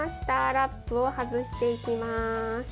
ラップを外していきます。